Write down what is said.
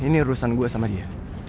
ini urusan gue sama dia